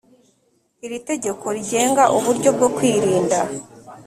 Iri tegeko rigenga uburyo bwo kwirinda